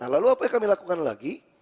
lalu apa yang kami lakukan lagi